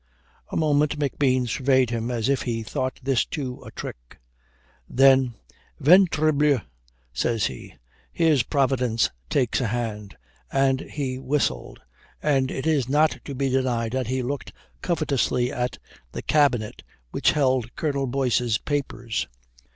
A moment McBean surveyed him as if he thought this too a trick. Then, "Ventrebleu" says he, "here's Providence takes a hand," and he whistled, and it is not to be denied that he looked covetously at the cabinet which held Colonel Boyce's papers.